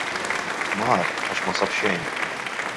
Mar għax ma sab xejn.